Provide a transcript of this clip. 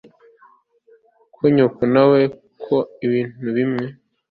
ko nyoko nawe akora ibintu bimwe